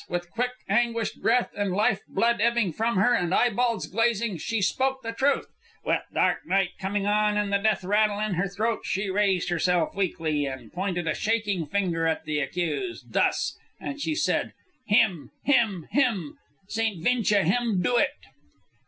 With quick, anguished breath, and life blood ebbing from her, and eyeballs glazing, she spoke the truth. With dark night coming on, and the death rattle in her throat, she raised herself weakly and pointed a shaking finger at the accused, thus, and she said, 'Him, him, him. St. Vincha, him do it.'"